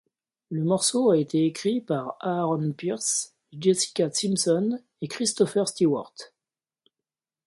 Le morceau a été écrit par Aaron Pearce, Jessica Simpson et Christopher Stewart.